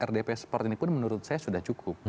rdp seperti ini pun menurut saya sudah cukup